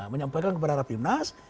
menyampaikan kepada rafiunas